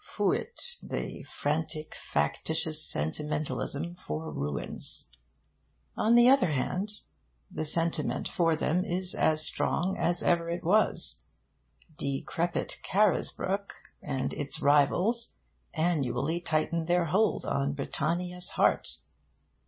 Fuit the frantic factitious sentimentalism for ruins. On the other hand, the sentiment for them is as strong as ever it was. Decrepit Carisbrooke and its rivals annually tighten their hold on Britannia's heart.